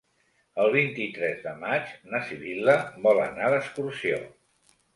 El vint-i-tres de maig na Sibil·la vol anar d'excursió.